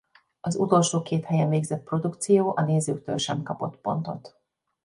Az utolsó két helyen végzett produkció a nézőktől sem kapott pontot.